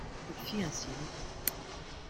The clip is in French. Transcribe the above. Il fit un signe.